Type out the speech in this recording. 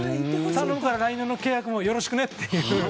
頼むから来年の契約もよろしくねという。